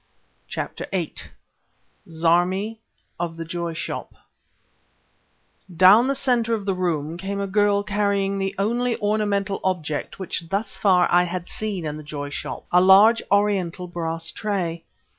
CHAPTER VIII ZARMI OF THE JOY SHOP Down the center of the room came a girl carrying the only ornamental object which thus far I had seen in the Joy Shop; a large Oriental brass tray.